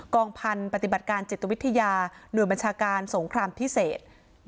องพันธุ์ปฏิบัติการจิตวิทยาหน่วยบัญชาการสงครามพิเศษ